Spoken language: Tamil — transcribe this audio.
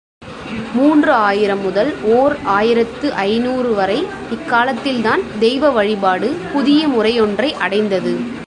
மூன்று ஆயிரம் முதல் ஓர் ஆயிரத்து ஐநூறு வரை இக்காலத்தில்தான் தெய்வ வழிபாடு புதிய முறையொன்றை அடைந்தது.